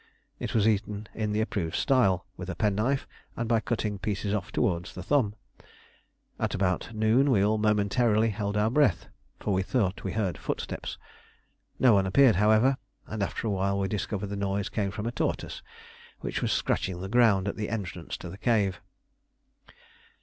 It was eaten in the approved style, with a penknife and by cutting pieces off towards the thumb. At about noon we all momentarily held our breath, for we thought we heard footsteps. No one appeared, however, and after a while we discovered the noise came from a tortoise, which was scratching the ground at the entrance to the cave.